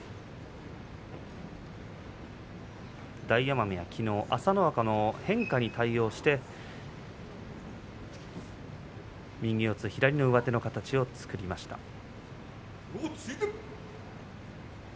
大奄美は、きのう朝乃若の変化に対応して右四つ左の上手の形を作りました。